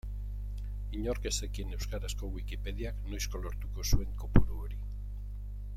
Inork ez zekien euskarazko Wikipediak noizko lortuko zuen kopuru hori.